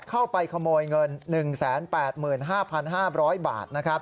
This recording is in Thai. เข้าไปขโมยเงิน๑๘๕๕๐๐บาทนะครับ